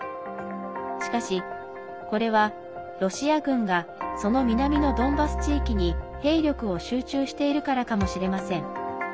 しかし、これはロシア軍がその南のドンバス地域に兵力を集中しているからかもしれません。